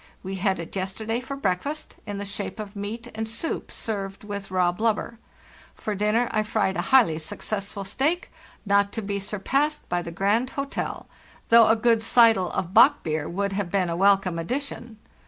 We had it yesterday for breakfast, in the shape of meat and soup served with raw blubber. For dinner I fried a highly successful steak, not to be sur passed by the 'Grand' [ Hotel], though a good ' seidel' of bock beer would have been a welcome addition.